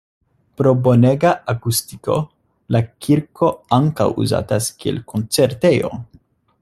Pro bonega akustiko la kirko ankaŭ uzatas kiel koncertejo.